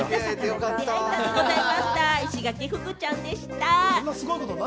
イシガキフグちゃんでした。